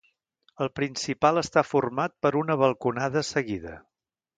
El principal està format per una balconada seguida.